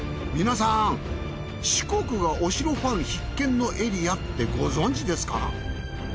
皆さん四国がお城ファン必見のエリアってご存じですか？